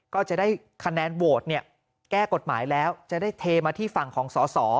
ก็จะได้คะแนนโหวตเนี่ยแก้กฎหมายแล้วจะได้เทมาที่ฝั่งของสอสอ